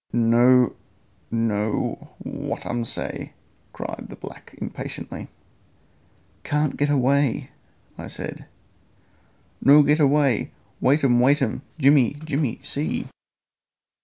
"No know what um say!" cried the black impatiently. "Can't get away," I said. "No get way! Waitum, waitum! Jimmy Jimmy see!"